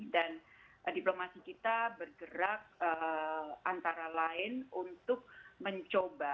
dan diplomasi kita bergerak antara lain untuk mencoba